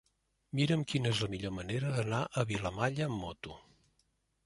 Mira'm quina és la millor manera d'anar a Vilamalla amb moto.